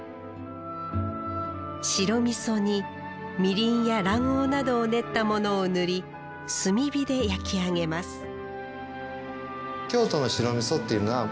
白みそにみりんや卵黄などを練ったものを塗り炭火で焼き上げます